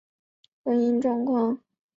婚姻状况则类似普通人。